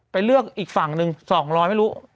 เลือกอีกฝั่งหนึ่ง๒๐๐ไม่รู้